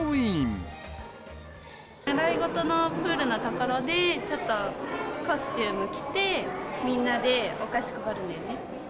習い事のプールのところで、ちょっと、コスチューム着て、みんなで、お菓子配るんだよね。